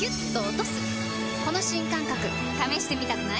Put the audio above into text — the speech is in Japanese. この新感覚試してみたくない？